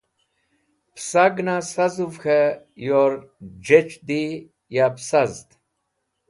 Pẽsagẽna sazũv k̃hẽ yor j̃ec̃h di yab sazd.